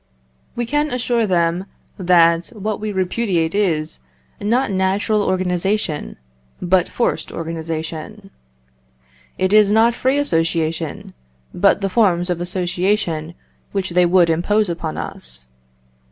We can assure them that what we repudiate is, not natural organisation, but forced organisation. It is not free association, but the forms of association which they would impose upon us.